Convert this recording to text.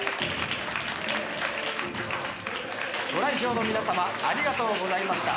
ご来場の皆様ありがとうございました。